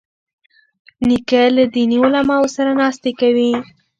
نیکه له دیني علماوو سره ناستې کوي.